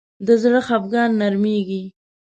د زړه خفګان نرمېږي